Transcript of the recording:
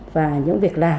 và những việc làm